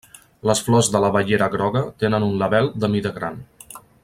Les flors de l'abellera groga tenen un label de mida gran.